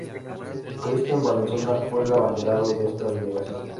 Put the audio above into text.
Cristian Valenzuela fue el abanderado de esta delegación.